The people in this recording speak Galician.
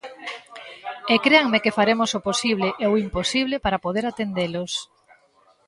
E créanme que faremos o posible e o imposible para poder atendelos.